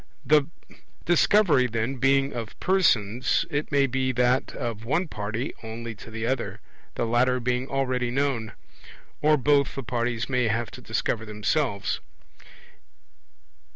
The Discovery, then, being of persons, it may be that of one party only to the other, the latter being already known; or both the parties may have to discover themselves.